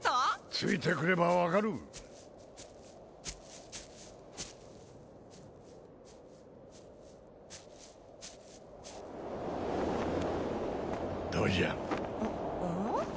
ついてくれば分かるどうじゃうん？